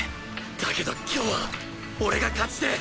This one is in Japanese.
だけど今日は俺が勝ちてえ